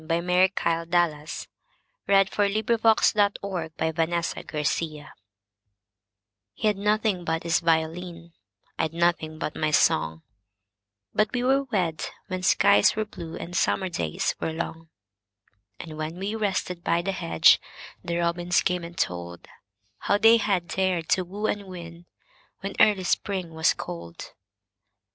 By Mary KyleDallas 1181 He 'd Nothing but His Violin HE 'D nothing but his violin,I 'd nothing but my song, But we were wed when skies were blueAnd summer days were long; And when we rested by the hedge, The robins came and toldHow they had dared to woo and win, When early Spring was cold.